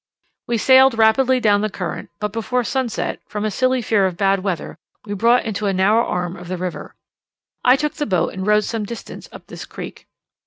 We sailed rapidly down the current, but before sunset, from a silly fear of bad weather, we brought to in a narrow arm of the river. I took the boat and rowed some distance up this creek.